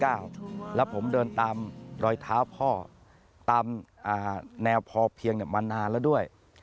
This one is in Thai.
แล้วผมเดินตามรอยเท้าพ่อตามแนวพอเพียงมานานแล้วด้วย